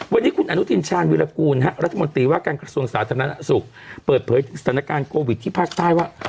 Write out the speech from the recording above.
วันนี้คุณอนุทินชาญวิรากูลรัฐมนตรีว่าการกระทรวงสาธารณสุขเปิดเผยถึงสถานการณ์โควิดที่ภาคใต้ว่า